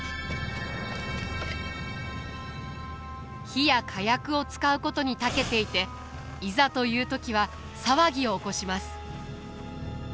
火や火薬を使うことにたけていていざという時は騒ぎを起こします。